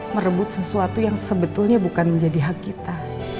merebut sesuatu yang sebetulnya bukan menjadi hak kita